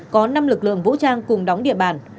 có năm lực lượng vũ trang cùng đóng địa bàn